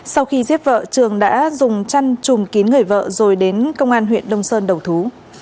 sau khi giết vợ trường đã dùng chăn chùm kín người vợ rồi đến công an huyện đông sơn đầu thú